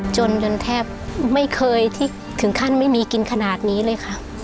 จนจนแทบไม่เคยที่ถึงขั้นไม่มีกินขนาดนี้เลยค่ะ